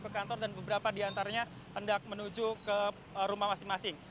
beberapa yang masuk ke kantor dan beberapa di antaranya hendak menuju ke rumah masing masing